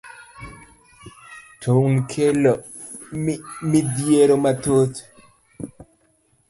Tuoni kelo midhiero mathoth.